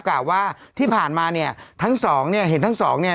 กล่าวว่าที่ผ่านมาเนี่ยทั้งสองเนี่ยเห็นทั้งสองเนี่ย